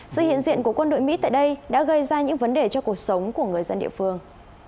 sự hiện diện của quân đội mỹ tại đây đã gây ra những vấn đề cho cuộc sống của người dân địa phương